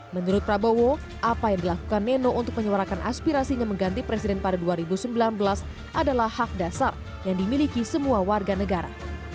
menurut prabowo apa yang dilakukan neno untuk menyuarakan aspirasinya mengganti presiden pada dua ribu sembilan belas adalah hak dasar yang dimiliki semua warga negara